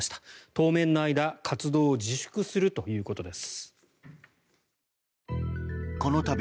当面の間、活動を自粛するということです。